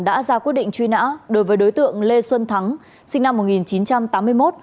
đã ra quyết định truy nã đối với đối tượng lê xuân thắng sinh năm một nghìn chín trăm tám mươi một